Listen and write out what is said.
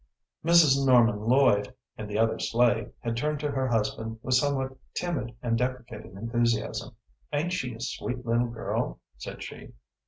Mrs. Norman Lloyd, in the other sleigh, had turned to her husband with somewhat timid and deprecating enthusiasm. "Ain't she a sweet little girl?" said she.